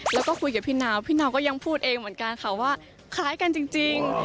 แล้วก็คุยกับพี่นาวพี่นาวก็ยังพูดเองเหมือนกันค่ะว่าคล้ายกันจริง